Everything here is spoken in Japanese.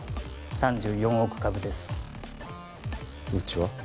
３４億株ですうちは？